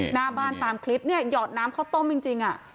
หน้าบ้านตามคลิปเนี้ยหยอดน้ำเขาต้มจริงจริงอ่ะ